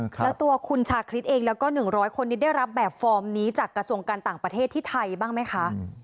แล้วตัวคุณชาคริสเองแล้วก็๑๐๐คนนี้ได้รับแบบฟอร์มนี้จากกระทรวงการต่างประเทศที่ไทยบ้างไหมคะ